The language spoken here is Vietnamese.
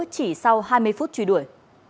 chỉ sau hai mươi phút truy đuổi